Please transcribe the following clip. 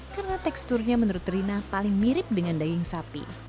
karena teksturnya menurut rina paling mirip dengan daging sapi